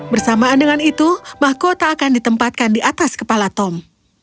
bersamaan dengan itu mahkota akan ditempatkan di atas kepala tom